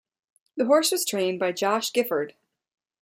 The horse was trained by Josh Gifford.